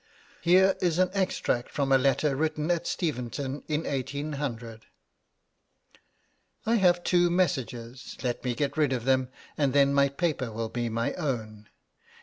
Here is an extract from a letter written at Steventon in 1800: 'I have two messages: let me get rid of them, and then my paper will be my own.